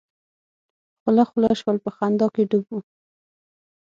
خوله خوله شول په خندا کې ډوب وو.